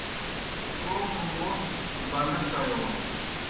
توموْ موس بنہ ݜیون